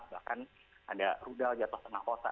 bahkan ada rudal jatuh setengah kota